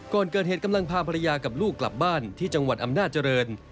ก่อนเกิดเหตุกำลังพาภรรยากับลูกกลับบ้านที่จังหวัดอำนาจริง